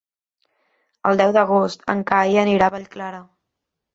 El deu d'agost en Cai anirà a Vallclara.